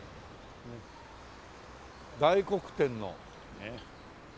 大黒天の。